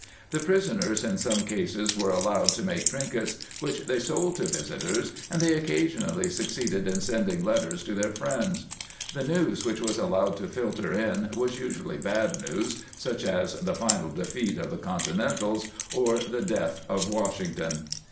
^ The prisoners in some cases were allowed to make trinkets, which they sold to visitors, and they occasionally succeeded in sending letters to their friends. The news which was allowed to filter in was usually bad news, such as the final defeat of the Continentals, or the death of Wash ington.